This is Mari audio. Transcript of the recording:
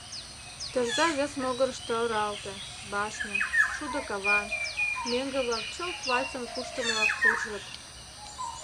Тӧрза вес могырышто оралте, башне, шудо каван, меҥге-влак чылт вальсым куштымылак куржыт.